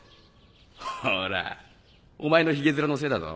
ほらお前のヒゲ面のせいだぞ。